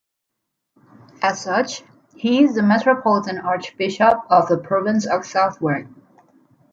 As such he is the Metropolitan Archbishop of the Province of Southwark.